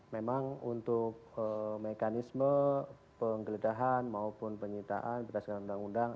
memang untuk mekanisme penggeledahan maupun penyitaan berdasarkan undang undang